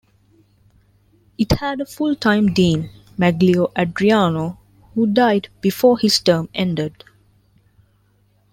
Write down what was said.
It had a full-time dean, Magleo Adriano who died before his term ended.